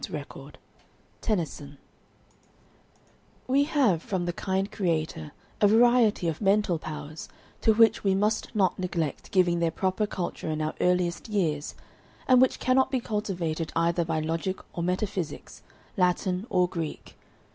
(Stella Langdale) "We have from the kind Creator a variety of mental powers, to which we must not neglect giving their proper culture in our earliest years, and which cannot be cultivated either by logic or metaphysics, Latin or Greek.